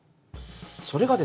それがですね